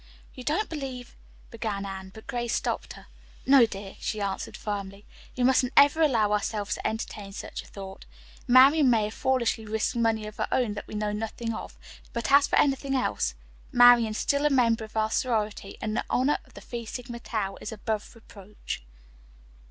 "You don't believe " began Anne, but Grace stopped her. "No, dear," she answered firmly. "We mustn't ever allow ourselves to entertain such a thought. Marian may have foolishly risked money of her own that we know nothing of, but as for anything else Marian is still a member of our sorority and the honor of the Phi Sigma Tau is above reproach."